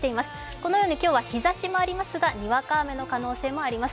このように今日は日ざしもありますが、にわか雨の可能性もあります。